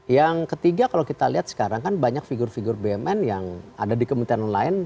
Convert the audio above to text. yang ketiga kalau kita lihat sekarang kan banyak figur figur bumn yang ada di kementerian lain